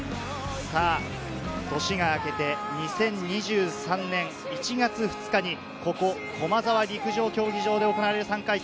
年が明けて２０２３年１月２日に、ここ駒沢陸上競技場で行われる３回戦。